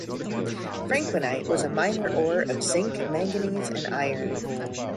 Franklinite was a minor ore of zinc, manganese, and iron.